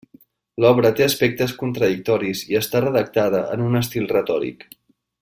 L'obra té aspectes contradictoris i està redactada en un estil retòric.